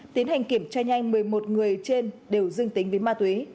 tiến hành kiểm tra nhanh một mươi một người trên đều dương tính với ma túy